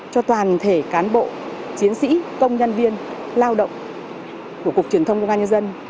cho toàn thể cán bộ chiến sĩ công nhân viên lao động của cục truyền thông công an nhân dân